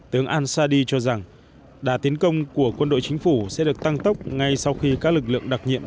tướng an sadi cho rằng đà tiến công của quân đội chính phủ sẽ được tăng tốc ngay sau khi các lực lượng đặc nhiệm